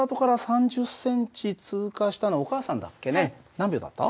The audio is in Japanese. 何秒だった？